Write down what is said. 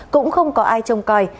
cũng không có ai chống coi